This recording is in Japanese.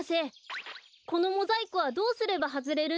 このモザイクはどうすればはずれるんですか？